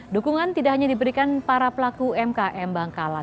dukungan tidak hanya diberikan para pelaku umkm bangkalan